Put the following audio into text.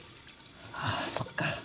ああそっか。